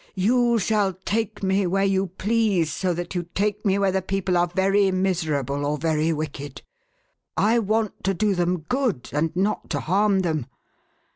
" You shall take me where you please, so that you take me where the people are very miser able or very wicked. I want to do them good, and not to harm them.